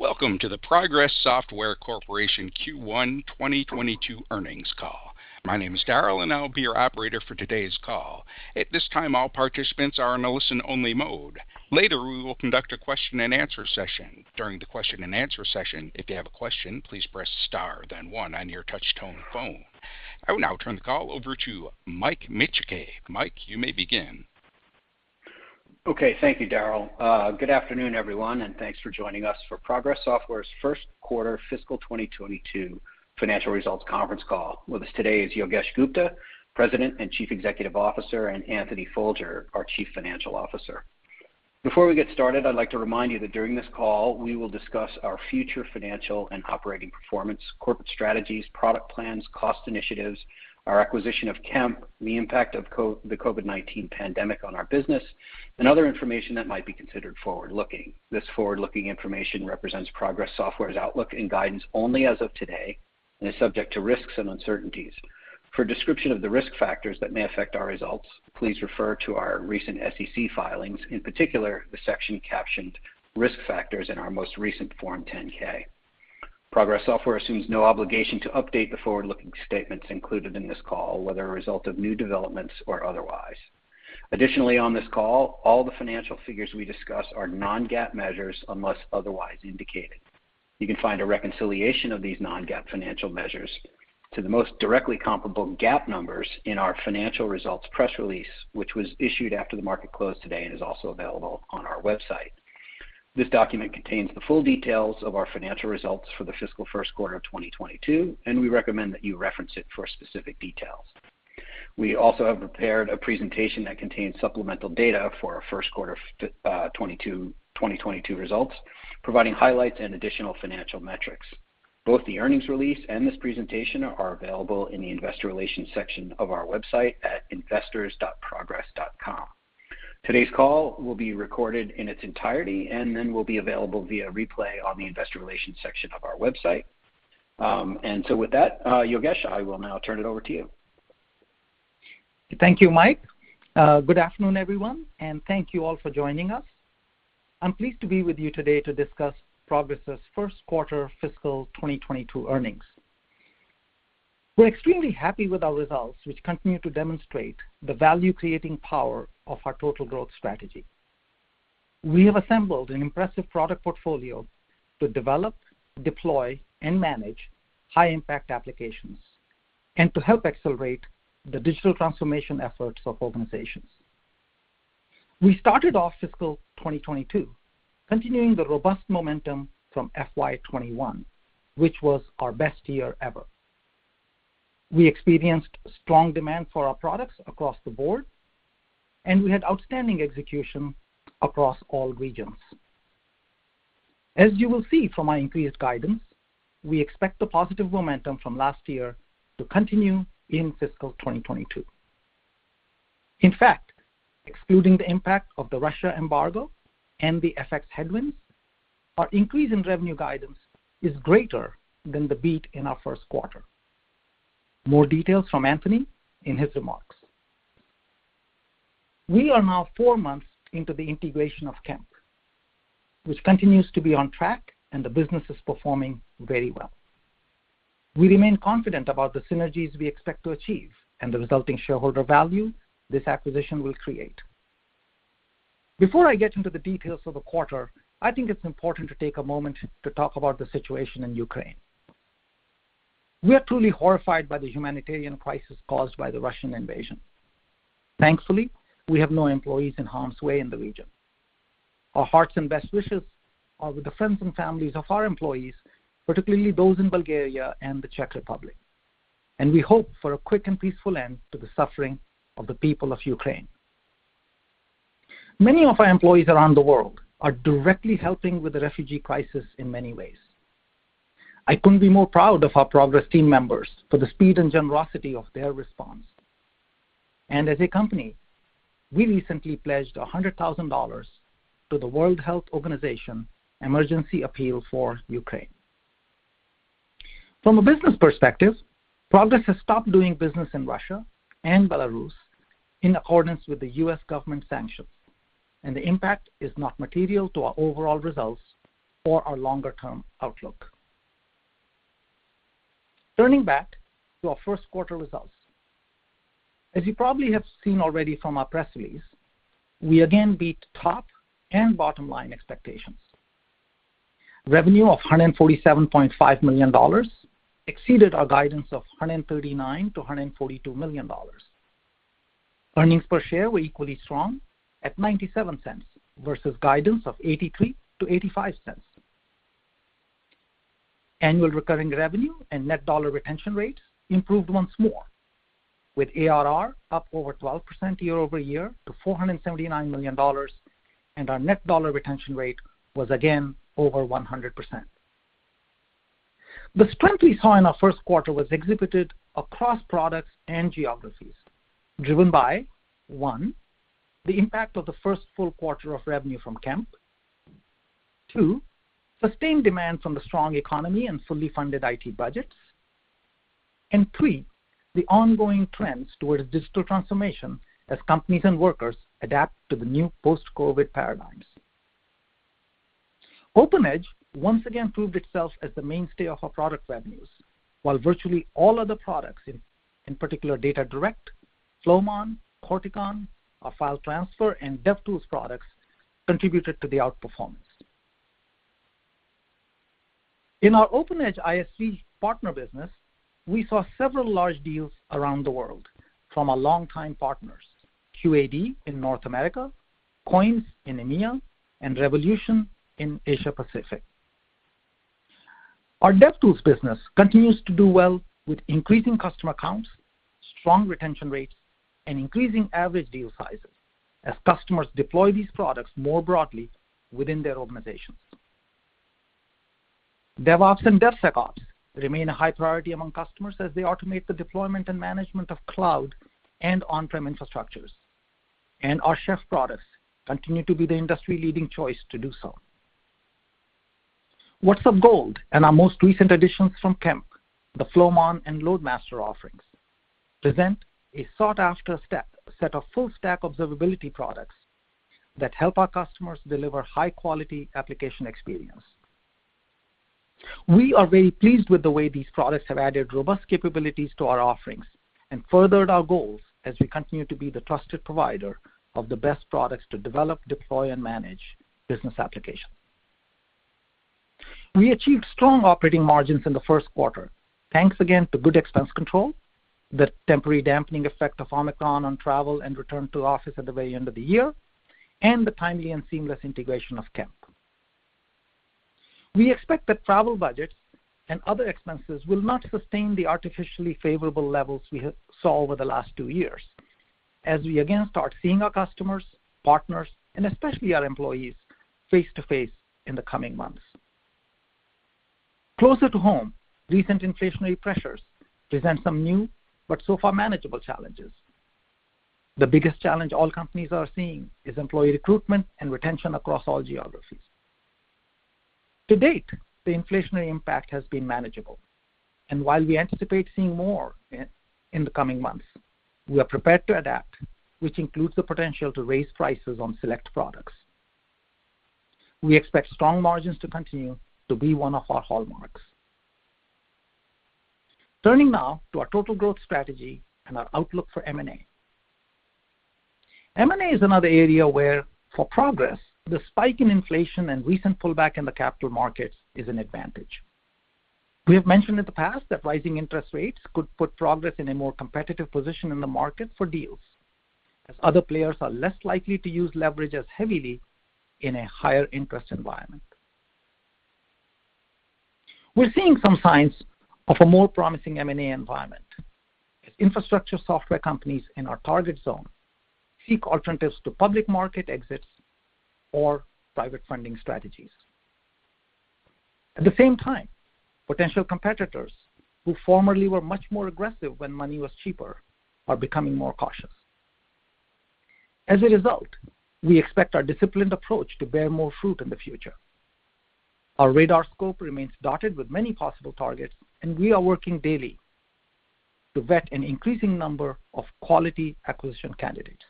Welcome to the Progress Software Corporation Q1 2022 Earnings Call. My name is Daryl, and I'll be your operator for today's call. At this time, all participants are in a listen-only mode. Later, we will conduct a question-and-answer session. During the question-and-answer session, if you have a question, please press star then one on your touchtone phone. I will now turn the call over to Mike Micciche. Mike, you may begin. Okay. Thank you, Daryl. Good afternoon, everyone, and thanks for joining us for Progress Software's first quarter fiscal 2022 financial results conference call. With us today is Yogesh Gupta, President and Chief Executive Officer, and Anthony Folger, our Chief Financial Officer. Before we get started, I'd like to remind you that during this call, we will discuss our future financial and operating performance, corporate strategies, product plans, cost initiatives, our acquisition of Kemp, the impact of the COVID-19 pandemic on our business, and other information that might be considered forward-looking. This forward-looking information represents Progress Software's outlook and guidance only as of today and is subject to risks and uncertainties. For a description of the risk factors that may affect our results, please refer to our recent SEC filings, in particular, the section captioned Risk Factors in our most recent Form 10-K. Progress Software assumes no obligation to update the forward-looking statements included in this call, whether a result of new developments or otherwise. Additionally, on this call, all the financial figures we discuss are non-GAAP measures unless otherwise indicated. You can find a reconciliation of these non-GAAP financial measures to the most directly comparable GAAP numbers in our financial results press release, which was issued after the market closed today and is also available on our website. This document contains the full details of our financial results for the fiscal first quarter of 2022, and we recommend that you reference it for specific details. We also have prepared a presentation that contains supplemental data for our first quarter 2022 results, providing highlights and additional financial metrics. Both the earnings release and this presentation are available in the investor relations section of our website at investors.progress.com. Today's call will be recorded in its entirety and then will be available via replay on the investor relations section of our website. With that, Yogesh, I will now turn it over to you. Thank you, Mike. Good afternoon, everyone, and thank you all for joining us. I'm pleased to be with you today to discuss Progress' first quarter fiscal 2022 earnings. We're extremely happy with our results, which continue to demonstrate the value-creating power of our total growth strategy. We have assembled an impressive product portfolio to develop, deploy, and manage high-impact applications and to help accelerate the digital transformation efforts of organizations. We started off fiscal 2022 continuing the robust momentum from FY 2021, which was our best year ever. We experienced strong demand for our products across the board, and we had outstanding execution across all regions. As you will see from my increased guidance, we expect the positive momentum from last year to continue in fiscal 2022. In fact, excluding the impact of the Russian embargo and the FX headwinds, our increase in revenue guidance is greater than the beat in our first quarter. More details from Anthony in his remarks. We are now four months into the integration of Kemp, which continues to be on track, and the business is performing very well. We remain confident about the synergies we expect to achieve and the resulting shareholder value this acquisition will create. Before I get into the details of the quarter, I think it's important to take a moment to talk about the situation in Ukraine. We are truly horrified by the humanitarian crisis caused by the Russian invasion. Thankfully, we have no employees in harm's way in the region. Our hearts and best wishes are with the friends and families of our employees, particularly those in Bulgaria and the Czech Republic, and we hope for a quick and peaceful end to the suffering of the people of Ukraine. Many of our employees around the world are directly helping with the refugee crisis in many ways. I couldn't be more proud of our Progress team members for the speed and generosity of their response. As a company, we recently pledged $100,000 to the World Health Organization Emergency Appeal for Ukraine. From a business perspective, Progress has stopped doing business in Russia and Belarus in accordance with the U.S. government sanctions, and the impact is not material to our overall results or our longer-term outlook. Turning back to our first quarter results. As you probably have seen already from our press release, we again beat top- and bottom-line expectations. Revenue of $147.5 million exceeded our guidance of $139 million-$142 million. Earnings per share were equally strong at $0.97 versus guidance of $0.83-$0.85. Annual recurring revenue and net dollar retention rates improved once more, with ARR up over 12% year-over-year to $479 million, and our net dollar retention rate was again over 100%. The strength we saw in our first quarter was exhibited across products and geographies driven by, one, the impact of the first full quarter of revenue from Kemp. Two, sustained demand from the strong economy and fully funded IT budgets. Three, the ongoing trends towards digital transformation as companies and workers adapt to the new post-COVID paradigms. OpenEdge once again proved itself as the mainstay of our product revenues, while virtually all other products, in particular DataDirect, Flowmon, Corticon, our file transfer, and DevTools products, contributed to the outperformance. In our OpenEdge ISC partner business, we saw several large deals around the world from our longtime partners, QAD in North America, COINS in EMEA, and Revolution in Asia Pacific. Our DevTools business continues to do well with increasing customer counts, strong retention rates, and increasing average deal sizes as customers deploy these products more broadly within their organizations. DevOps and DevSecOps remain a high priority among customers as they automate the deployment and management of cloud and on-prem infrastructures. Our Chef products continue to be the industry-leading choice to do so. WhatsUp Gold and our most recent additions from Kemp, the Flowmon and LoadMaster offerings, present a sought-after set of full-stack observability products that help our customers deliver high-quality application experience. We are very pleased with the way these products have added robust capabilities to our offerings and furthered our goals as we continue to be the trusted provider of the best products to develop, deploy, and manage business applications. We achieved strong operating margins in the first quarter, thanks again to good expense control, the temporary dampening effect of Omicron on travel and return to office at the very end of the year, and the timely and seamless integration of Kemp. We expect that travel budgets and other expenses will not sustain the artificially favorable levels we saw over the last two years as we again start seeing our customers, partners, and especially our employees face-to-face in the coming months. Closer to home, recent inflationary pressures present some new but so far manageable challenges. The biggest challenge all companies are seeing is employee recruitment and retention across all geographies. To date, the inflationary impact has been manageable, and while we anticipate seeing more in the coming months, we are prepared to adapt, which includes the potential to raise prices on select products. We expect strong margins to continue to be one of our hallmarks. Turning now to our total growth strategy and our outlook for M&A. M&A is another area where for Progress, the spike in inflation and recent pullback in the capital markets is an advantage. We have mentioned in the past that rising interest rates could put Progress in a more competitive position in the market for deals, as other players are less likely to use leverage as heavily in a higher interest environment. We're seeing some signs of a more promising M&A environment as infrastructure software companies in our target zone seek alternatives to public market exits or private funding strategies. At the same time, potential competitors who formerly were much more aggressive when money was cheaper are becoming more cautious. As a result, we expect our disciplined approach to bear more fruit in the future. Our radar scope remains dotted with many possible targets, and we are working daily to vet an increasing number of quality acquisition candidates.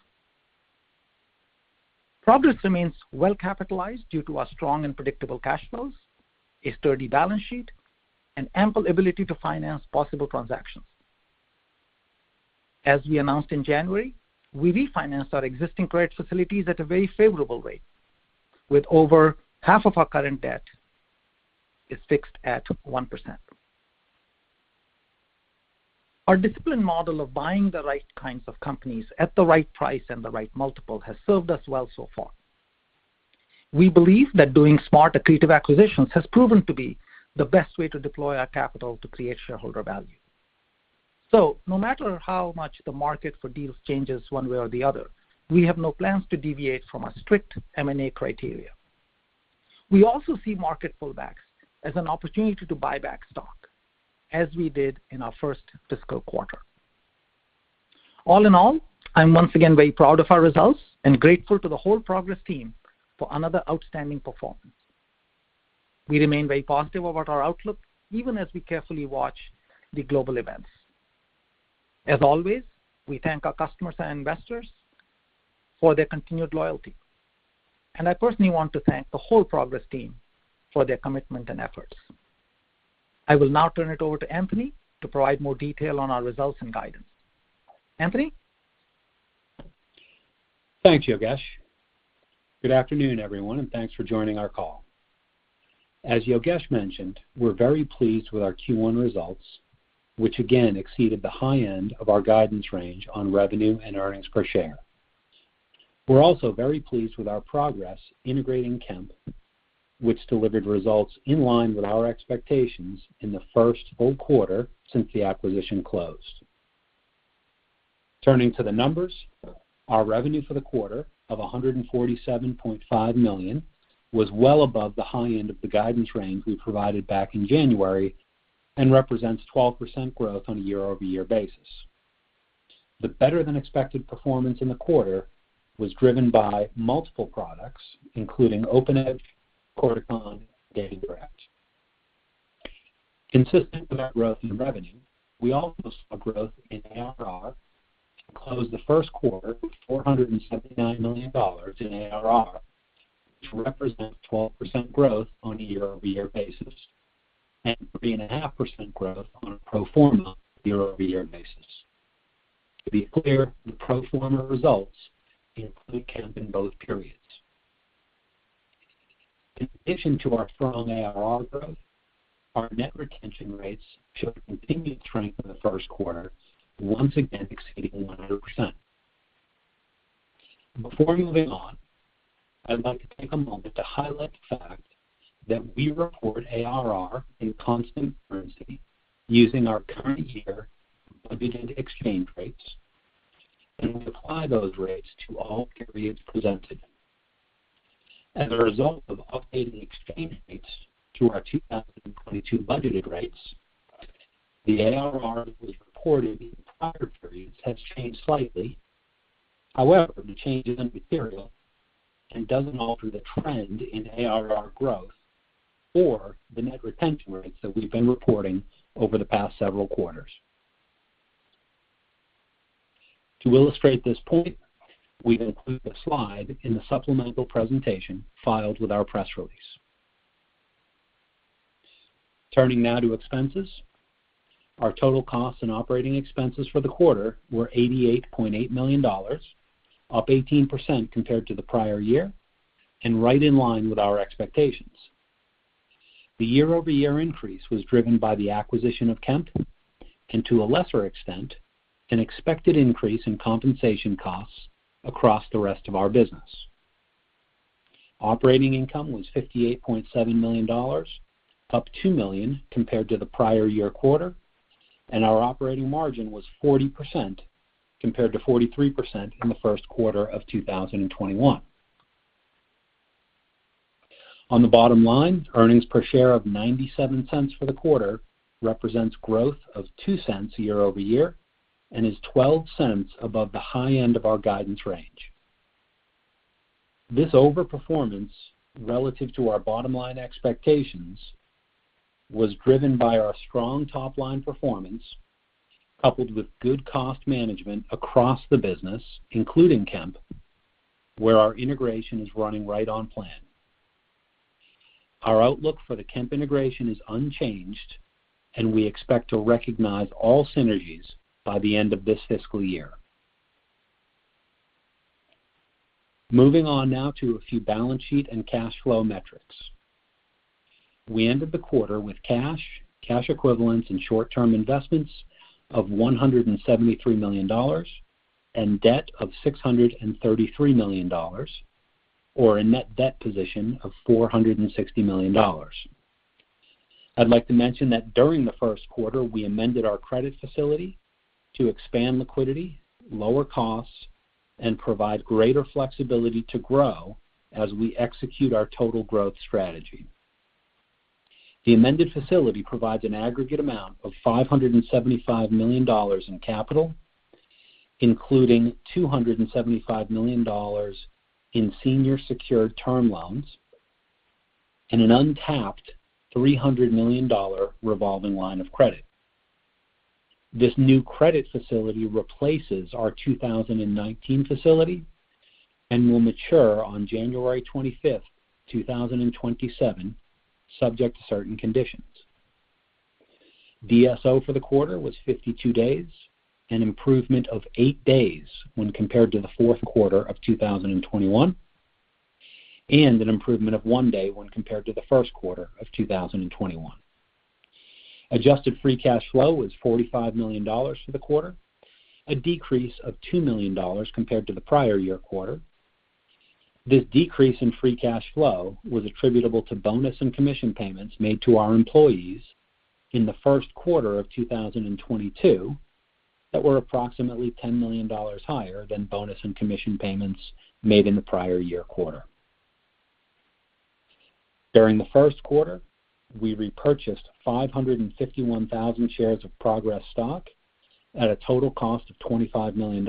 Progress remains well-capitalized due to our strong and predictable cash flows, a sturdy balance sheet, and ample ability to finance possible transactions. As we announced in January, we refinanced our existing credit facilities at a very favorable rate, with over half of our current debt is fixed at 1%. Our disciplined model of buying the right kinds of companies at the right price and the right multiple has served us well so far. We believe that doing smart, accretive acquisitions has proven to be the best way to deploy our capital to create shareholder value. No matter how much the market for deals changes one way or the other, we have no plans to deviate from our strict M&A criteria. We also see market pullbacks as an opportunity to buy back stock, as we did in our first fiscal quarter. All in all, I'm once again very proud of our results and grateful to the whole Progress team for another outstanding performance. We remain very positive about our outlook, even as we carefully watch the global events. As always, we thank our customers and investors for their continued loyalty, and I personally want to thank the whole Progress team for their commitment and efforts. I will now turn it over to Anthony to provide more detail on our results and guidance. Anthony? Thanks, Yogesh. Good afternoon, everyone, and thanks for joining our call. As Yogesh mentioned, we're very pleased with our Q1 results, which again exceeded the high end of our guidance range on revenue and earnings per share. We're also very pleased with our progress integrating Kemp, which delivered results in line with our expectations in the first full quarter since the acquisition closed. Turning to the numbers, our revenue for the quarter of $147.5 million was well above the high end of the guidance range we provided back in January and represents 12% growth on a year-over-year basis. The better-than-expected performance in the quarter was driven by multiple products, including OpenEdge, Corticon, DataDirect. Consistent with our growth in revenue, we also saw growth in ARR at the close of the first quarter, $479 million in ARR, which represents 12% growth on a year-over-year basis and 3.5% growth on a pro forma year-over-year basis. To be clear, the pro forma results include Kemp in both periods. In addition to our strong ARR growth, our net retention rates showed continued strength in the first quarter, once again exceeding 100%. Before moving on, I'd like to take a moment to highlight the fact that we report ARR in constant currency using our current year budgeted exchange rates, and we apply those rates to all periods presented. As a result of updating exchange rates to our 2022 budgeted rates, the ARR that was reported in prior periods has changed slightly. However, the change is immaterial and doesn't alter the trend in ARR growth or the net retention rates that we've been reporting over the past several quarters. To illustrate this point, we've included a slide in the supplemental presentation filed with our press release. Turning now to expenses. Our total costs and operating expenses for the quarter were $88.8 million, up 18% compared to the prior year and right in line with our expectations. The year-over-year increase was driven by the acquisition of Kemp and to a lesser extent, an expected increase in compensation costs across the rest of our business. Operating income was $58.7 million, up $2 million compared to the prior year quarter, and our operating margin was 40% compared to 43% in the first quarter of 2021. On the bottom line, earnings per share of $0.97 for the quarter represents growth of $0.02 year-over-year and is $0.12 above the high end of our guidance range. This overperformance relative to our bottom-line expectations was driven by our strong top-line performance, coupled with good cost management across the business, including Kemp, where our integration is running right on plan. Our outlook for the Kemp integration is unchanged, and we expect to recognize all synergies by the end of this fiscal year. Moving on now to a few balance sheet and cash flow metrics. We ended the quarter with cash equivalents and short-term investments of $173 million and debt of $633 million or a net debt position of $460 million. I'd like to mention that during the first quarter, we amended our credit facility to expand liquidity, lower costs, and provide greater flexibility to grow as we execute our total growth strategy. The amended facility provides an aggregate amount of $575 million in capital, including $275 million in senior secured term loans and an untapped $300 million revolving line of credit. This new credit facility replaces our 2019 facility and will mature on January 25, 2027, subject to certain conditions. DSO for the quarter was 52 days, an improvement of eight days when compared to the fourth quarter of 2021, and an improvement of one day when compared to the first quarter of 2021. Adjusted free cash flow was $45 million for the quarter, a decrease of $2 million compared to the prior year quarter. This decrease in free cash flow was attributable to bonus and commission payments made to our employees in the first quarter of 2022 that were approximately $10 million higher than bonus and commission payments made in the prior year quarter. During the first quarter, we repurchased 551,000 shares of Progress stock at a total cost of $25 million.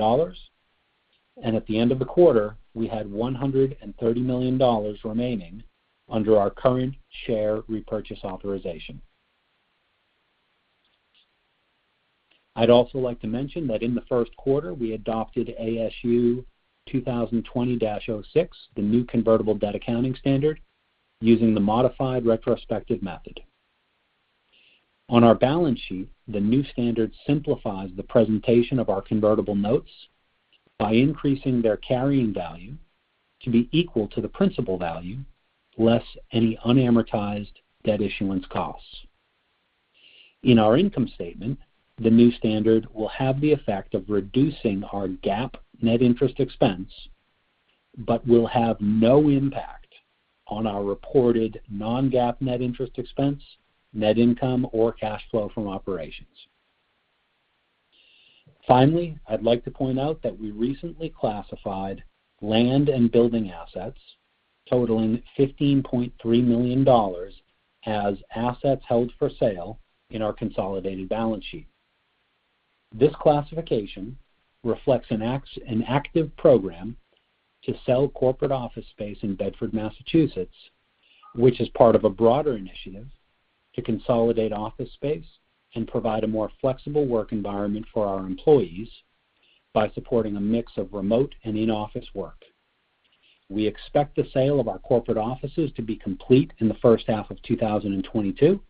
At the end of the quarter, we had $130 million remaining under our current share repurchase authorization. I'd also like to mention that in the first quarter, we adopted ASU 2020-06, the new convertible debt accounting standard, using the modified retrospective method. On our balance sheet, the new standard simplifies the presentation of our convertible notes by increasing their carrying value to be equal to the principal value, less any unamortized debt issuance costs. In our income statement, the new standard will have the effect of reducing our GAAP net interest expense, but will have no impact on our reported non-GAAP net interest expense, net income, or cash flow from operations. Finally, I'd like to point out that we recently classified land and building assets totaling $15.3 million as assets held for sale in our consolidated balance sheet. This classification reflects an active program to sell corporate office space in Bedford, Massachusetts, which is part of a broader initiative to consolidate office space and provide a more flexible work environment for our employees by supporting a mix of remote and in-office work. We expect the sale of our corporate offices to be complete in the first half of 2022,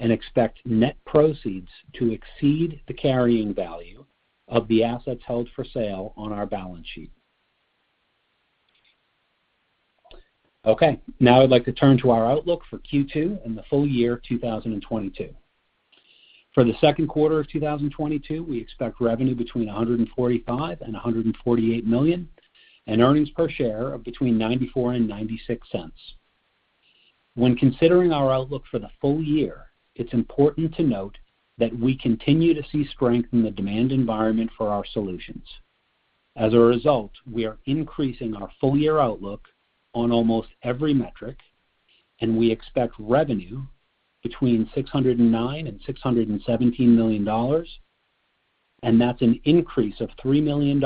and expect net proceeds to exceed the carrying value of the assets held for sale on our balance sheet. Okay, now I'd like to turn to our outlook for Q2 and the full year of 2022. For the second quarter of 2022, we expect revenue between $145 million and $148 million, and earnings per share of between $0.94 and $0.96. When considering our outlook for the full year, it's important to note that we continue to see strength in the demand environment for our solutions. As a result, we are increasing our full-year outlook on almost every metric, and we expect revenue between $609 million and $617 million, and that's an increase of $3 million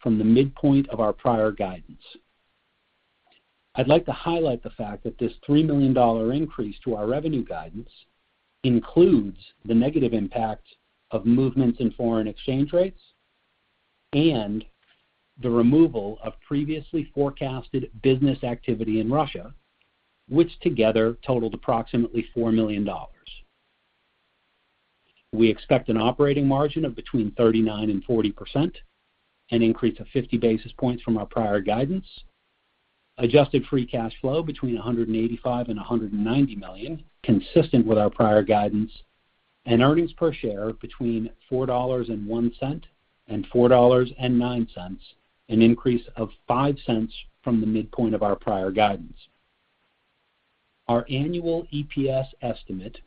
from the midpoint of our prior guidance. I'd like to highlight the fact that this $3 million increase to our revenue guidance includes the negative impact of movements in foreign exchange rates and the removal of previously forecasted business activity in Russia, which together totaled approximately $4 million. We expect an operating margin of between 39% and 40%, an increase of 50 basis points from our prior guidance. Adjusted free cash flow between $185 million and $190 million, consistent with our prior guidance. Earnings per share between $4.01 and $4.09, an increase of $0.05 from the midpoint of our prior guidance. Our annual EPS estimate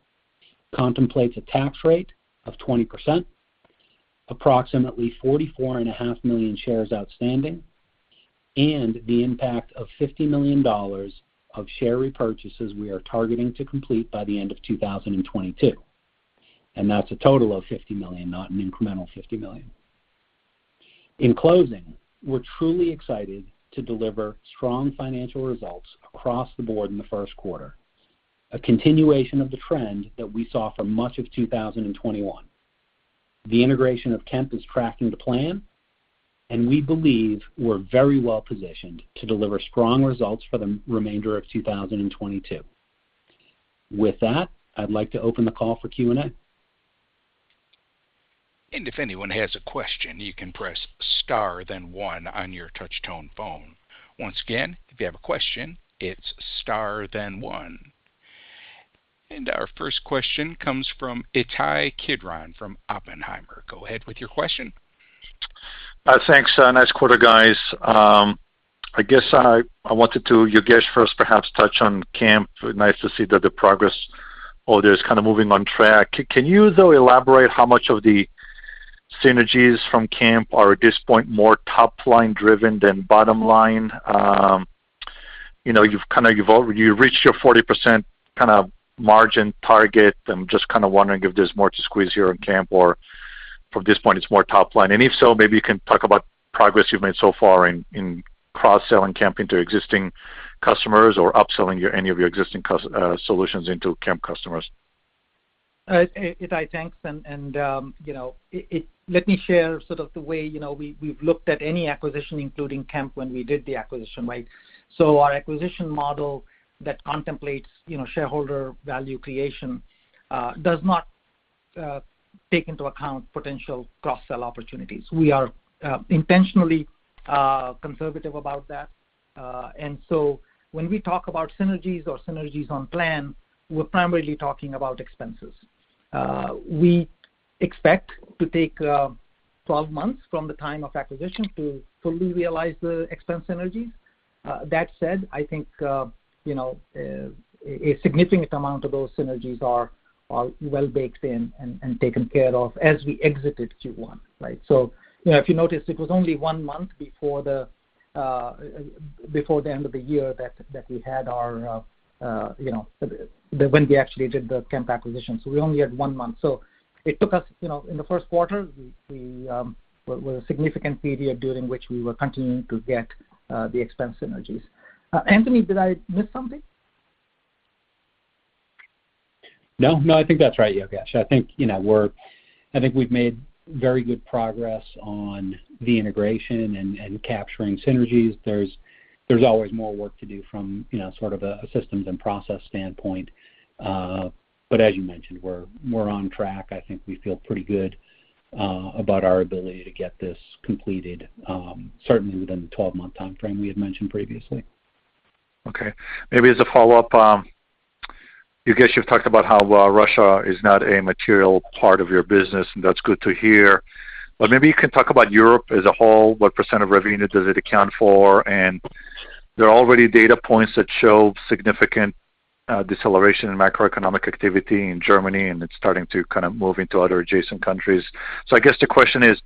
contemplates a tax rate of 20%, approximately 44.5 million shares outstanding, and the impact of $50 million of share repurchases we are targeting to complete by the end of 2022. That's a total of $50 million, not an incremental $50 million. In closing, we're truly excited to deliver strong financial results across the board in the first quarter, a continuation of the trend that we saw for much of 2021. The integration of Kemp is tracking to plan, and we believe we're very well positioned to deliver strong results for the remainder of 2022. With that, I'd like to open the call for Q&A. If anyone has a question, you can press star then one on your touch tone phone. Once again, if you have a question, it's star then one. Our first question comes from Ittai Kidron from Oppenheimer. Go ahead with your question. Thanks. Nice quarter, guys. I guess I wanted to, Yogesh first perhaps touch on Kemp. Nice to see that the progress over there is kind of moving on track. Can you though elaborate how much of the synergies from Kemp are at this point more top-line driven than bottom line? You know, you've reached your 40% kind of margin target. I'm just kind of wondering if there's more to squeeze here in Kemp or from this point it's more top-line. If so, maybe you can talk about progress you've made so far in cross-selling Kemp into existing customers or upselling any of your existing solutions into Kemp customers. Ittai, thanks. Let me share sort of the way, you know, we've looked at any acquisition, including Kemp, when we did the acquisition, right? Our acquisition model that contemplates, you know, shareholder value creation does not take into account potential cross-sell opportunities. We are intentionally conservative about that. When we talk about synergies or synergies on plan, we're primarily talking about expenses. We expect to take 12 months from the time of acquisition to fully realize the expense synergies. That said, I think you know a significant amount of those synergies are well baked in and taken care of as we exited Q1, right? You know, if you noticed, it was only one month before the end of the year that we had our, you know, when we actually did the Kemp acquisition. We only had one month. It took us, you know, in the first quarter, it was a significant period during which we were continuing to get the expense synergies. Anthony, did I miss something? No, no, I think that's right, Yogesh. I think, you know, I think we've made very good progress on the integration and capturing synergies. There's always more work to do from, you know, sort of a systems and process standpoint. But as you mentioned, we're on track. I think we feel pretty good about our ability to get this completed, certainly within the 12-month timeframe we had mentioned previously. Okay. Maybe as a follow-up, Yogesh, you've talked about how Russia is not a material part of your business, and that's good to hear. Maybe you can talk about Europe as a whole, what percent of revenue does it account for? There are already data points that show significant deceleration in macroeconomic activity in Germany, and it's starting to kind of move into other adjacent countries. I guess the question is,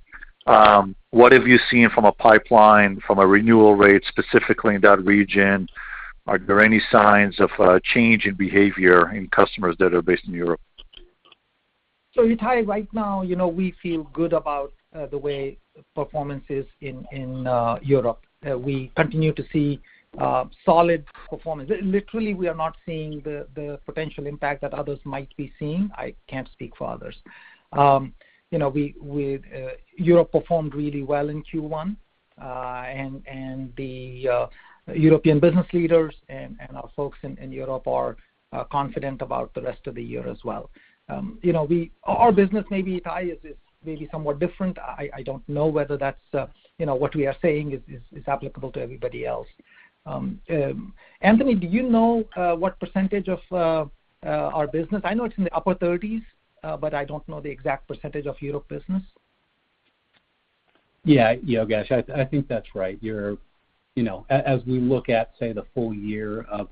what have you seen from a pipeline, from a renewal rate specifically in that region? Are there any signs of change in behavior in customers that are based in Europe? Itai, right now, you know, we feel good about the way performance is in Europe. We continue to see solid performance. Literally, we are not seeing the potential impact that others might be seeing. I can't speak for others. You know, Europe performed really well in Q1. The European business leaders and our folks in Europe are confident about the rest of the year as well. You know, our business maybe, Itai, is maybe somewhat different. I don't know whether that's, you know, what we are saying is applicable to everybody else. Anthony, do you know what percentage of our business? I know it's in the upper 30s, but I don't know the exact percentage of Europe business. Yeah. Yogesh, I think that's right. You know, as we look at, say, the full year of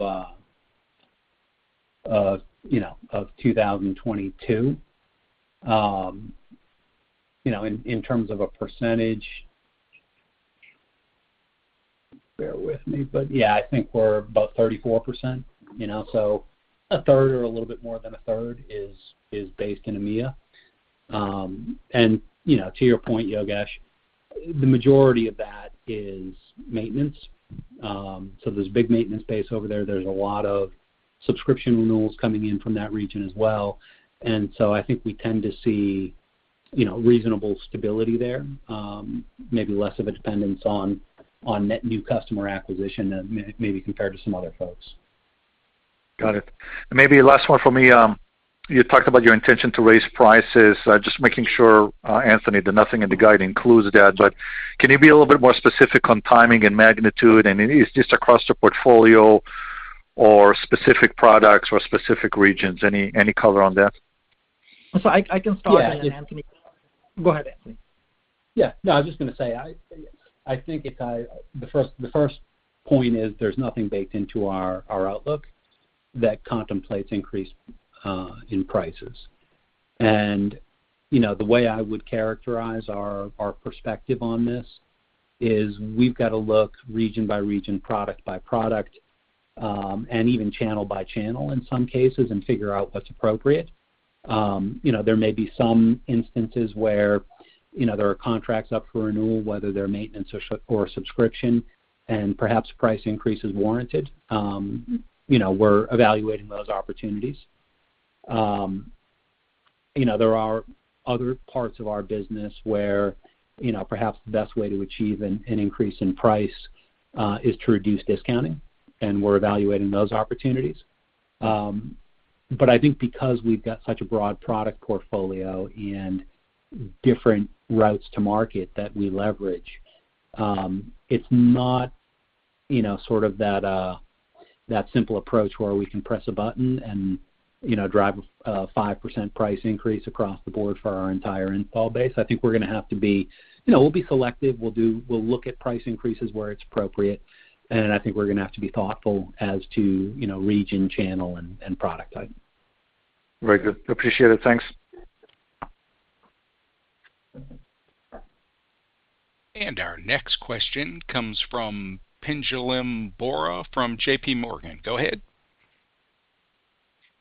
2022, in terms of a percentage. Bear with me. Yeah, I think we're about 34%, you know? A third or a little bit more than a third is based in EMEA. You know, to your point, Yogesh, the majority of that is maintenance. There's a big maintenance base over there. There's a lot of subscription renewals coming in from that region as well. I think we tend to see, you know, reasonable stability there, maybe less of a dependence on net new customer acquisition than maybe compared to some other folks. Got it. Maybe last one from me. You talked about your intention to raise prices. Just making sure, Anthony, that nothing in the guide includes that. Can you be a little bit more specific on timing and magnitude? Is this across the portfolio or specific products or specific regions? Any color on that? I can start. Yeah. Anthony. Go ahead, Anthony. I was just gonna say, I think, Ittai, the first point is there's nothing baked into our outlook that contemplates increase in prices. You know, the way I would characterize our perspective on this is we've got to look region by region, product by product, and even channel by channel in some cases and figure out what's appropriate. You know, there may be some instances where, you know, there are contracts up for renewal, whether they're maintenance or subscription, and perhaps a price increase is warranted. You know, we're evaluating those opportunities. You know, there are other parts of our business where, you know, perhaps the best way to achieve an increase in price is to reduce discounting, and we're evaluating those opportunities. I think because we've got such a broad product portfolio and different routes to market that we leverage, it's not, you know, sort of that simple approach where we can press a button and, you know, drive a 5% price increase across the board for our entire install base. You know, we'll be selective. We'll look at price increases where it's appropriate, and I think we're gonna have to be thoughtful as to, you know, region, channel, and product item. Very good. Appreciate it. Thanks. Our next question comes from Pinjalim Bora from JPMorgan. Go ahead.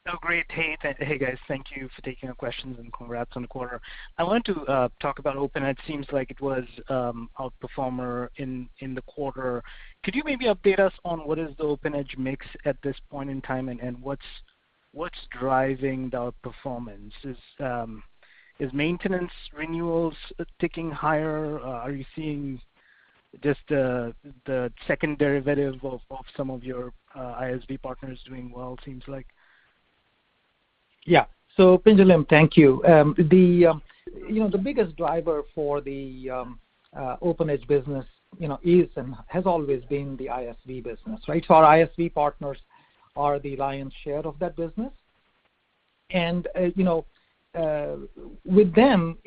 Oh, great. Hey, guys. Thank you for taking our questions, and congrats on the quarter. I wanted to talk about OpenEdge. It seems like it was outperformer in the quarter. Could you maybe update us on what is the OpenEdge mix at this point in time, and what's driving the outperformance? Is maintenance renewals ticking higher? Are you seeing just the second derivatives of some of your ISV partners doing well? Seems like. Yeah. Pinjalim, thank you. You know, the biggest driver for the OpenEdge business, you know, is and has always been the ISV business, right? Our ISV partners are the lion's share of that business. You know, with them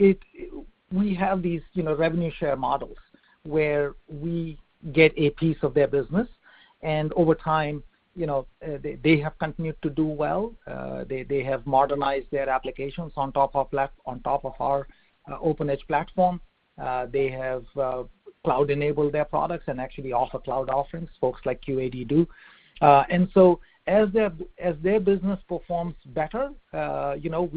we have these, you know, revenue share models where we get a piece of their business. Over time, you know, they have continued to do well. They have modernized their applications on top of our OpenEdge platform. They have cloud-enabled their products and actually offer cloud offerings, folks like QAD do. As their business performs better, you know,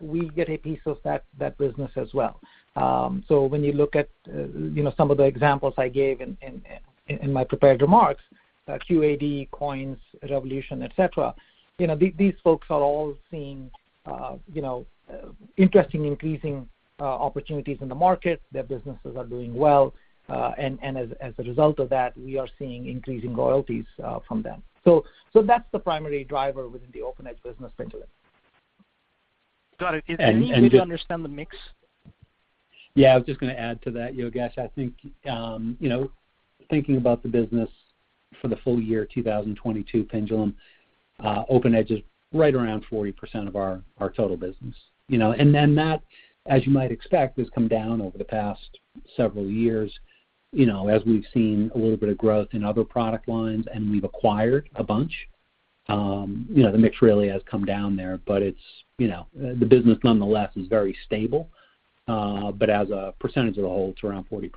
we get a piece of that business as well. When you look at, you know, some of the examples I gave in my prepared remarks, QAD, COINS, Revolution, et cetera, you know, these folks are all seeing, you know, interesting increasing opportunities in the market. Their businesses are doing well. As a result of that, we are seeing increasing royalties from them. That's the primary driver within the OpenEdge business, Pinjalim Bora. Got it. And, and just- Can you maybe understand the mix? Yeah, I was just gonna add to that, Yogesh. I think, you know, thinking about the business for the full year 2022, Pinjalim, OpenEdge is right around 40% of our total business, you know? That, as you might expect, has come down over the past several years, you know, as we've seen a little bit of growth in other product lines, and we've acquired a bunch. You know, the mix really has come down there, but it's, you know, the business nonetheless is very stable. As a percentage of the whole, it's around 40%.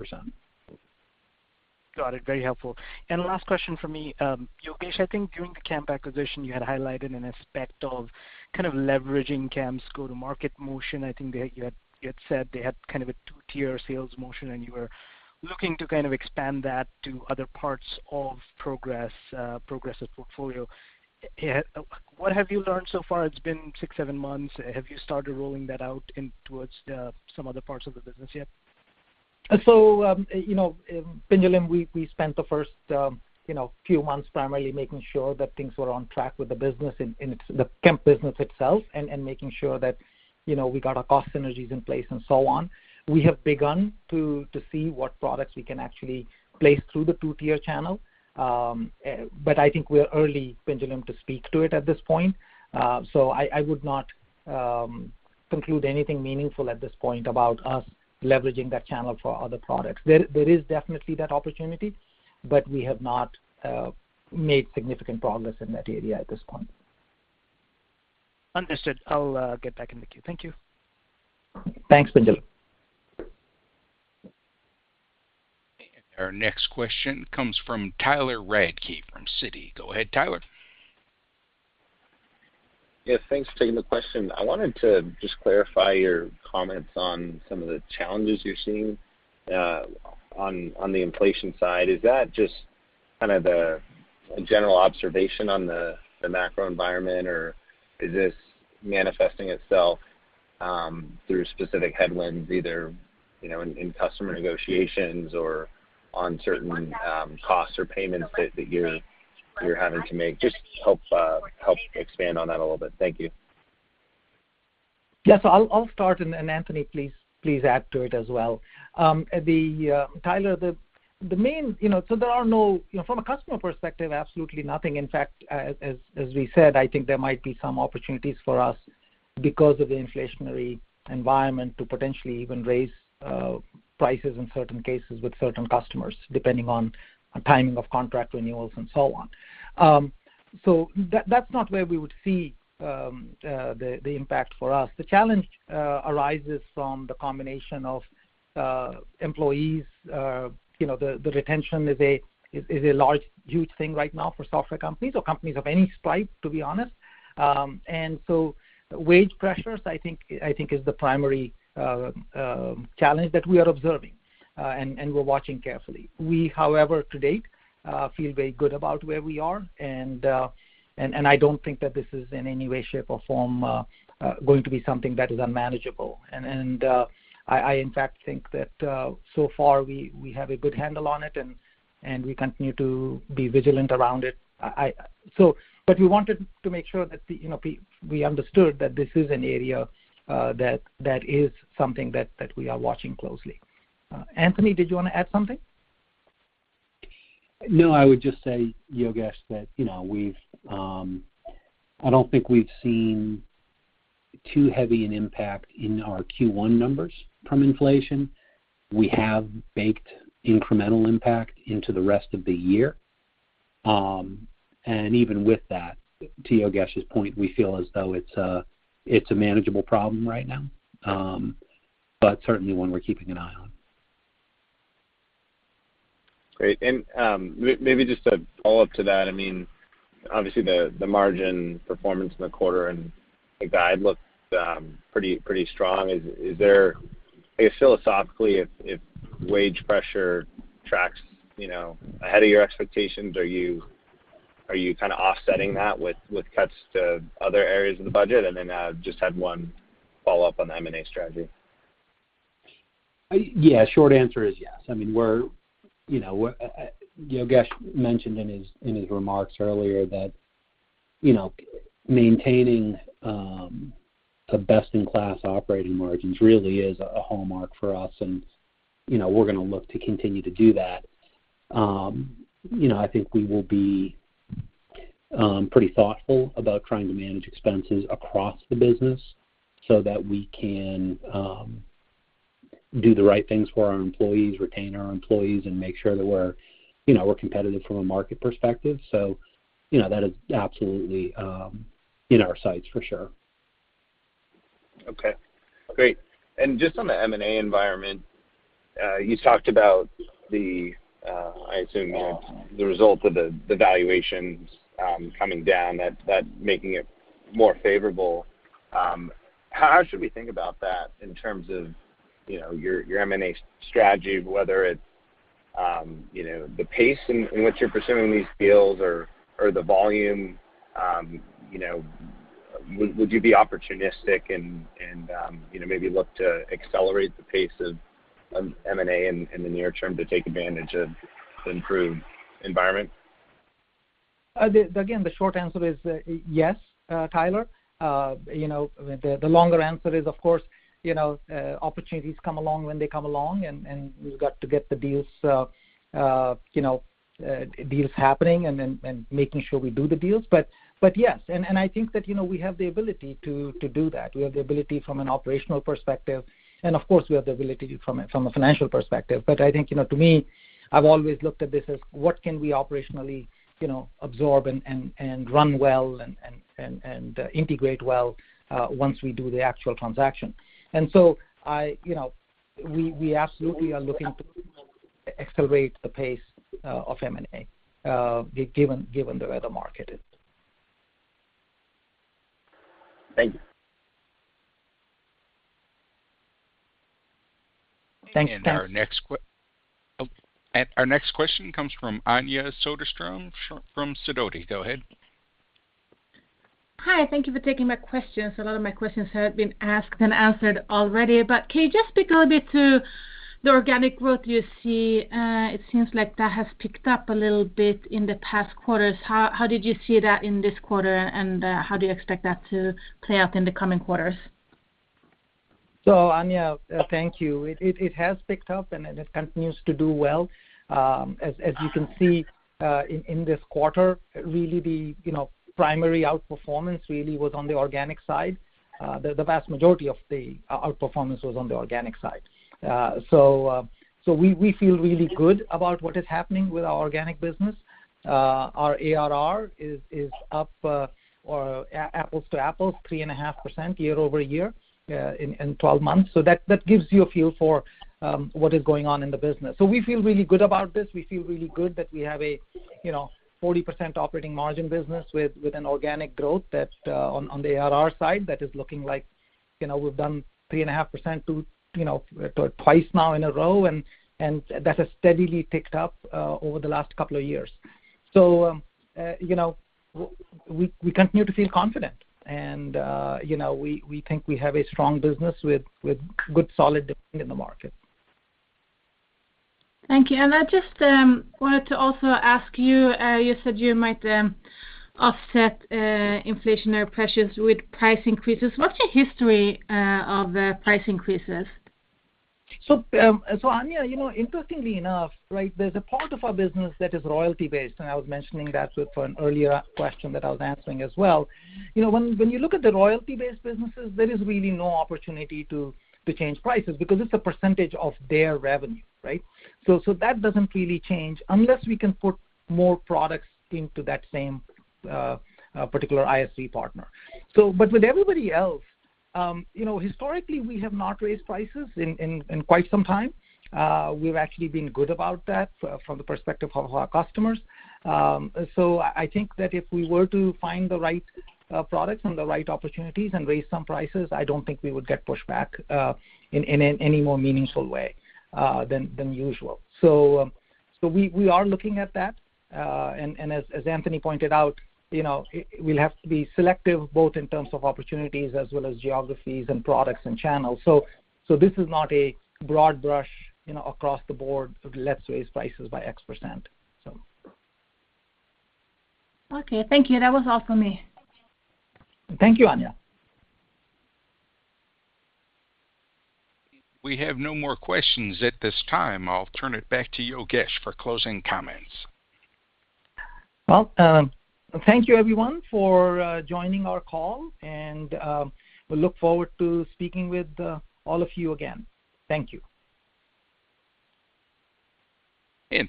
Got it. Very helpful. Last question for me. Yogesh, I think during the Kemp acquisition, you had highlighted an aspect of kind of leveraging Kemp's go-to-market motion. I think you had said they had kind of a two-tier sales motion, and you were looking to kind of expand that to other parts of Progress' portfolio. What have you learned so far? It's been six to seven months. Have you started rolling that out towards some other parts of the business yet? You know, Pinjalim, we spent the first few months primarily making sure that things were on track with the business, the Kemp business itself, and making sure that, you know, we got our cost synergies in place and so on. We have begun to see what products we can actually place through the two-tier channel. I think we're early, Pinjalim, to speak to it at this point. I would not conclude anything meaningful at this point about us leveraging that channel for other products. There is definitely that opportunity, but we have not made significant progress in that area at this point. Understood. I'll get back in the queue. Thank you. Thanks, Pinjalim. Our next question comes from Tyler Radke from Citi. Go ahead, Tyler. Yeah, thanks for taking the question. I wanted to just clarify your comments on some of the challenges you're seeing, on the inflation side. Is that just kind of a general observation on the macro environment, or is this manifesting itself through specific headwinds, either you know in customer negotiations or on certain costs or payments that you're having to make? Just help expand on that a little bit. Thank you. Yes, I'll start, and Anthony, please add to it as well. Tyler, the main, you know, there are no, you know, from a customer perspective, absolutely nothing. In fact, as we said, I think there might be some opportunities for us because of the inflationary environment to potentially even raise prices in certain cases with certain customers, depending on timing of contract renewals and so on. That's not where we would see the impact for us. The challenge arises from the combination of employees. You know, the retention is a large, huge thing right now for software companies or companies of any stripe, to be honest. Wage pressures I think is the primary challenge that we are observing, and we're watching carefully. We, however, to date, feel very good about where we are and I don't think that this is in any way, shape, or form going to be something that is unmanageable. In fact, I think that so far we have a good handle on it and we continue to be vigilant around it. But we wanted to make sure that you know we understood that this is an area that is something that we are watching closely. Anthony, did you want to add something? No, I would just say, Yogesh, that, you know, we've, I don't think we've seen too heavy an impact in our Q1 numbers from inflation. We have baked incremental impact into the rest of the year. Even with that, to Yogesh's point, we feel as though it's a manageable problem right now, but certainly one we're keeping an eye on. Great. Maybe just to follow up to that, I mean, obviously the margin performance in the quarter and the guide looked pretty strong. Is there, I guess, philosophically if wage pressure tracks you know ahead of your expectations, are you kind of offsetting that with cuts to other areas of the budget? Then, I just had one follow-up on the M&A strategy. Yeah, short answer is yes. I mean, we're, you know, Yogesh mentioned in his remarks earlier that, you know, maintaining the best-in-class operating margins really is a hallmark for us, and, you know, we're gonna look to continue to do that. You know, I think we will be pretty thoughtful about trying to manage expenses across the business so that we can do the right things for our employees, retain our employees, and make sure that we're, you know, we're competitive from a market perspective. You know, that is absolutely in our sights for sure. Okay, great. Just on the M&A environment, you talked about the, I assume it's the result of the valuations coming down that's making it more favorable. How should we think about that in terms of, you know, your M&A strategy, whether it's, you know, the pace in which you're pursuing these deals or the volume? You know, would you be opportunistic and, you know, maybe look to accelerate the pace of M&A in the near term to take advantage of the improved environment? Again, the short answer is yes, Tyler. You know, the longer answer is, of course, you know, opportunities come along when they come along and we've got to get the deals, you know, deals happening and then making sure we do the deals. But yes, and I think that, you know, we have the ability to do that. We have the ability from an operational perspective, and of course, we have the ability from a financial perspective. But I think, you know, to me, I've always looked at this as what can we operationally, you know, absorb and run well and integrate well once we do the actual transaction. I, you know, we absolutely are looking to accelerate the pace of M&A, given where the market is. Thank you. Thanks, Ken. Our next question comes from Anja Soderstrom from Sidoti. Go ahead. Hi. Thank you for taking my questions. A lot of my questions have been asked and answered already, but can you just speak a little bit to the organic growth you see? It seems like that has picked up a little bit in the past quarters. How did you see that in this quarter, and how do you expect that to play out in the coming quarters? Anja, thank you. It has picked up, and it continues to do well. As you can see, in this quarter, really the, you know, primary outperformance really was on the organic side. The vast majority of the outperformance was on the organic side. We feel really good about what is happening with our organic business. Our ARR is up, or apples to apples 3.5% year-over-year, in 12 months, so that gives you a feel for what is going on in the business. We feel really good about this. We feel really good that we have a, you know, 40% operating margin business with an organic growth that on the ARR side that is looking like, you know, we've done 3.5% to, you know, twice now in a row and that has steadily ticked up over the last couple of years. We continue to feel confident and, you know, we think we have a strong business with good solid in the market. Thank you. I just wanted to also ask you said you might offset inflationary pressures with price increases. What's your history of price increases? Anja, you know, interestingly enough, right, there's a part of our business that is royalty-based, and I was mentioning that with an earlier question that I was answering as well. You know, when you look at the royalty-based businesses, there is really no opportunity to change prices because it's a percentage of their revenue, right? That doesn't really change unless we can put more products into that same particular ISV partner. But with everybody else, you know, historically, we have not raised prices in quite some time. We've actually been good about that from the perspective of our customers. I think that if we were to find the right products and the right opportunities and raise some prices, I don't think we would get pushback in any more meaningful way than usual. We are looking at that. As Anthony pointed out, you know, we'll have to be selective both in terms of opportunities as well as geographies and products and channels. This is not a broad brush, you know, across the board, let's raise prices by X%. Okay. Thank you. That was all for me. Thank you, Anja. We have no more questions at this time. I'll turn it back to you, Yogesh, for closing comments. Well, thank you everyone for joining our call, and we look forward to speaking with all of you again. Thank you.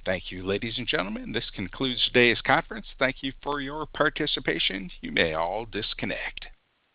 Thank you, ladies and gentlemen. This concludes today's conference. Thank you for your participation. You may all disconnect.